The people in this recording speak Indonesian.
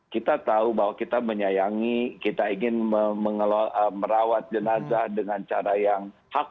kita tahu bahwa kita menyayangi kita ingin merawat jenazah dengan cara yang hak